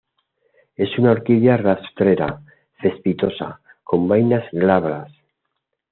Es una orquídea rastrera cespitosa con vainas glabras.